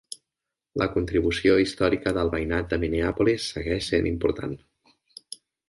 La contribució històrica del veïnat a Minneapolis segueix sent important.